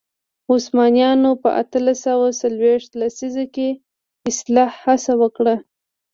عثمانیانو په اتلس سوه څلوېښت لسیزه کې اصلاح هڅه وکړه.